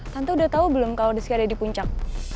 tante udah tau belum kalau rizky ada di puncak